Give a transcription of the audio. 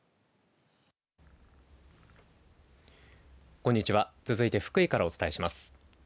こんにちは続いて福井からお伝えします。